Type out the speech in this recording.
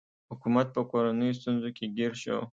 حکومت په کورنیو ستونزو کې ګیر شو.